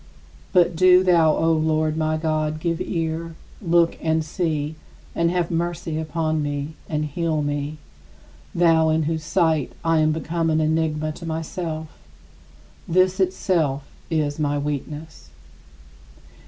But do thou, O Lord, my God, give ear; look and see, and have mercy upon me; and heal me thou, in whose sight I am become an enigma to myself; this itself is my weakness.